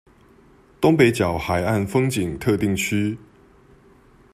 東北角海岸風景特定區